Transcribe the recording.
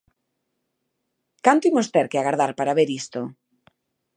¿Canto imos ter que agardar para ver isto?